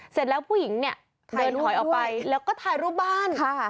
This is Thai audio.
เสร็จแล้วผู้หญิงเนี่ยเดินถอยออกไปแล้วก็ถ่ายรูปบ้าน